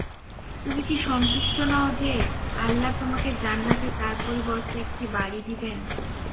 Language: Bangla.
তুমি কি সন্তুষ্ট নও যে, আল্লাহ তোমাকে জান্নাতে তার পরিবর্তে একটি বাড়ী দিবেন।